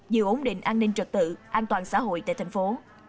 giữ ổn định an ninh trật tự an toàn xã hội tại thành phố